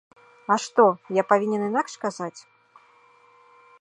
А што, я павінен інакш казаць?!